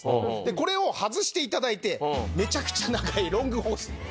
これを外して頂いてめちゃくちゃ長いロングホース。